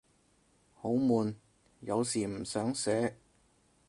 好悶，有時唔想寫